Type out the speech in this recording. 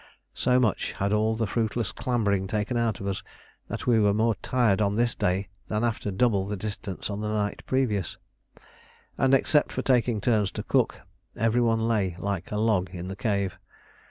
So much had all the fruitless clambering taken out of us that we were more tired on this day than after double the distance on the night previous, and, except for taking turns to cook, every one lay like a log in the cave.